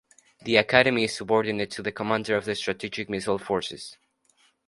The academy is subordinate to the Commander of the Strategic Missile Forces.